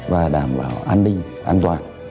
và đảm bảo an ninh an toàn